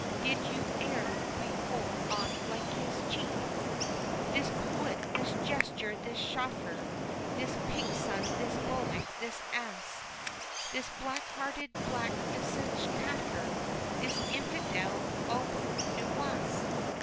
Did you e'er behold aught like his cheek? "This poet, this jester, this chaffer, this pig's son, this bullock, this ass, This black hearted, black visaged Kaffir, this Infidel, ABU NUWAS!"